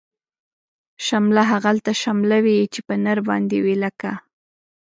شمله هغلته شمله وی، چی په نر باندی وی لکه